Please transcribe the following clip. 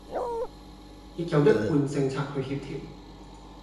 亦有一貫政策去協調